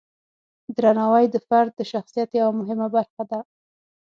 درناوی د فرد د شخصیت یوه مهمه برخه ده.